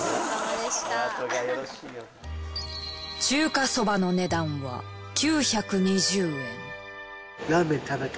中華そばの値段は９２０円。